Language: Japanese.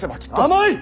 甘い！